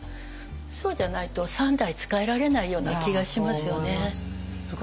そうじゃないと三代仕えられないような気がしますよね。